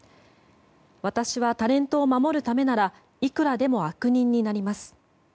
私はタレントを守るためならいくらでも悪人になります。